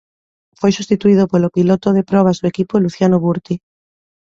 Foi substituído polo piloto de probas do equipo Luciano Burti.